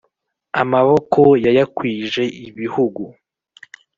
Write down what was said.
amaboko yayakwije ibihugu